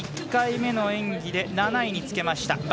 １回目の演技で７位につけました。